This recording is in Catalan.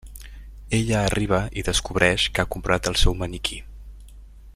Ella arriba i descobreix que ha comprat el seu maniquí.